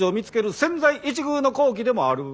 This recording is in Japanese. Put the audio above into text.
千載一遇の好機でもある。